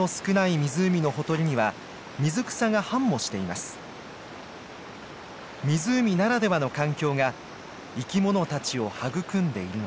湖ならではの環境が生き物たちを育んでいるのです。